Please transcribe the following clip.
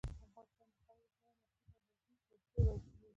افغانستان د خاورې په اړه مشهور او لرغوني تاریخی روایتونه لري.